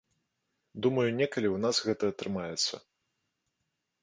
Думаю, некалі ў нас гэта атрымаецца.